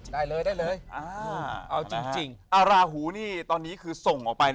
ได้เลยได้เลยเอาจริงราหูนี่ตอนนี้คือส่งออกไป